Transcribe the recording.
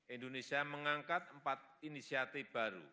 indonesia mengangkat empat inisiatif baru